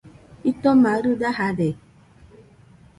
Jitoma arɨ dajade